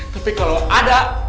tapi kalau ada